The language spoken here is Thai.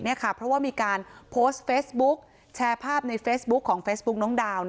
เพราะว่ามีการโพสต์เฟซบุ๊กแชร์ภาพในเฟซบุ๊คของเฟซบุ๊กน้องดาว